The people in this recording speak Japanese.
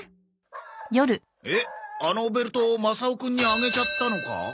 えっあのベルトマサオくんにあげちゃったのか？